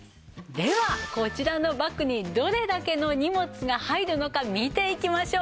ではこちらのバッグにどれだけの荷物が入るのか見ていきましょう。